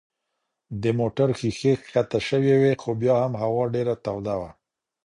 د موټر ښيښې کښته شوې وې خو بیا هم هوا ډېره توده وه.